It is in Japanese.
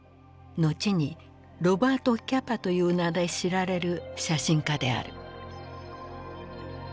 後にロバート・キャパという名で知られる写真家である。